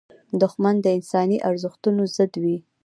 دښمن د انساني ارزښتونو ضد وي